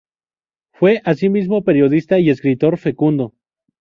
Fue asimismo periodista y escritor fecundo.